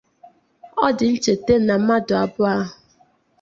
Ọ dị ncheta na mmadụ abụọ ahụ